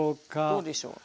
どうでしょう？